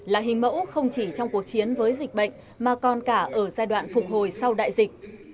là hình mẫu không chỉ trong cuộc chiến với dịch bệnh mà còn cả ở giai đoạn phục hồi sau đại dịch